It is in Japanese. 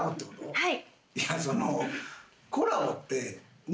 はい。